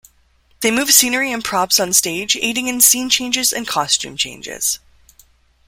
They move scenery and props on stage, aiding in scene changes and costume changes.